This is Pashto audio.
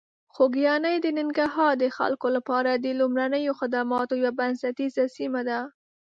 خوږیاڼي د ننګرهار د خلکو لپاره د لومړنیو خدماتو یوه بنسټیزه سیمه ده.